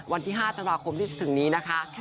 วันที่๕ธันวาคมที่จะถึงนี้นะคะ